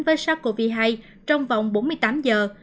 với sars cov hai trong vòng bốn mươi tám giờ